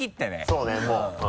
そうねもう。